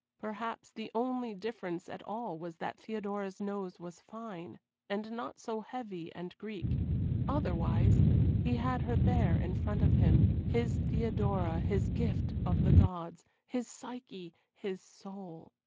Perhaps the only difference at all was that Theodora's nose was fine, and not so heavy and Greek; otherwise he had her there in front of him his Theodora, his gift of the gods, his Psyche, his soul.